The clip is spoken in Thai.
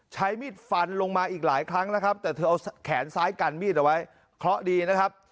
ใช้มีดฟันลงมาอีกหลายครั้งนะครับแต่เธอเอาแขนซ้ายกันมีดเอาไว้เคราะห์ดีนะครับ